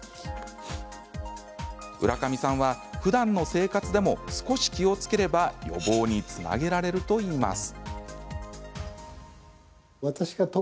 浦上さんは、ふだんの生活でも少し気をつければ予防につなげられるといいます。